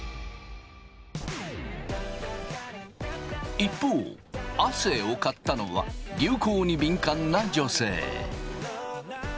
一方亜生を買ったのは流行に敏感な女性。